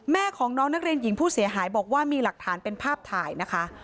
แม่ของน้องนักเรียนหญิงผู้เสียหายบอกว่ามีหลักฐานเป็นภาพถ่ายนะคะ